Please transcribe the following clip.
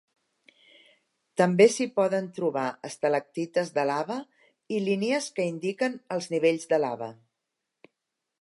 També s'hi poden trobar estalactites de lava, i línies que indiquen els nivells de lava.